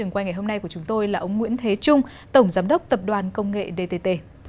quay ngày hôm nay của chúng tôi là ông nguyễn thế trung tổng giám đốc tập đoàn công nghệ dtt